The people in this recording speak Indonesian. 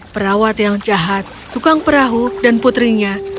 perawat yang jahat tukang perahu dan putrinya